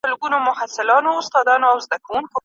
د وصل شپې مي د هر خوب سره پیوند وهلي